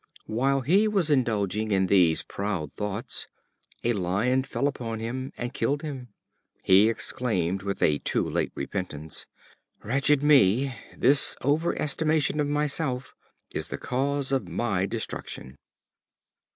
While he was indulging in these proud thoughts, a Lion fell upon him, and killed him. He exclaimed with a too late repentance, "Wretched me! this over estimation of myself is the cause of my destruction."